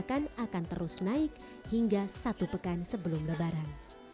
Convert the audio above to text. akan terus naik hingga satu pekan sebelum lebaran